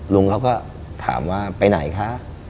ลุงเขาก็ถามว่าไปไหนคะ